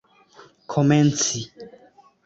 komenci